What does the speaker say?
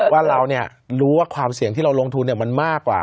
ว่าเรารู้ว่าความเสี่ยงที่เราลงทุนมันมากกว่า